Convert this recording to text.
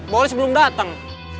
boris belum datang